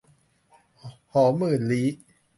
หอมหมื่นลี้